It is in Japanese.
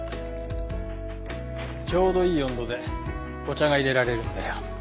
ちょうどいい温度でお茶が淹れられるんだよ。